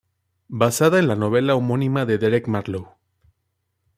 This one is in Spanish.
Basada en la novela homónima de Derek Marlowe.